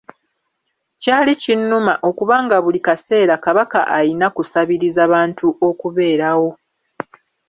Kyali kinnuma okuba nga buli kaseera Kabaka ayina kusabiriza bantu okubeerawo.